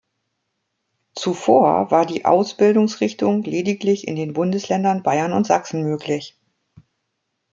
Zuvor war die Ausbildungsrichtung lediglich in den Bundesländern Bayern und Sachsen möglich.